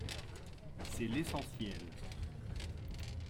C’est l’essentiel